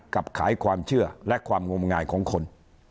ขายความเชื่อและความงมงายของคน